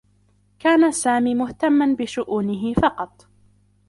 كان سامي مهتمّا بشؤونه فقط.